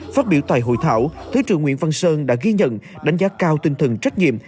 phát biểu tại hội thảo thứ trưởng nguyễn văn sơn đã ghi nhận đánh giá cao tinh thần trách nhiệm